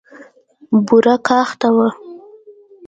بوره کاخته وه.